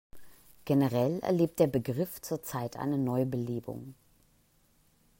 Generell erlebt der Begriff zurzeit eine Neubelebung.